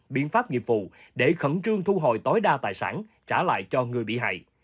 biện pháp nghiệp vụ để khẩn trương thu hồi tối đa tài sản trả lại cho người bị hại